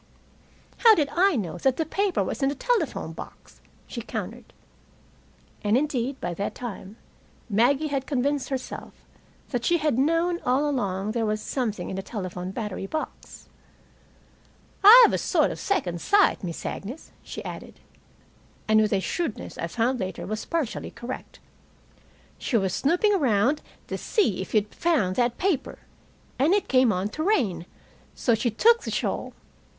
"How did I know that paper was in the telephone box?" she countered. And, indeed, by that time Maggie had convinced herself that she had known all along there was something in the telephone battery box. "I've a sort of second sight, Miss Agnes," she added. And, with a shrewdness I found later was partially correct: "She was snooping around to see if you'd found that paper, and it came on to rain; so she took the shawl.